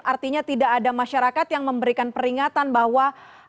artinya tidak ada masyarakat yang memberikan peringatan bahwa